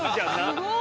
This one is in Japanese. すごい。